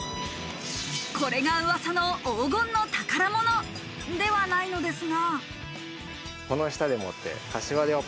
これが噂の黄金の宝物ではないのですが。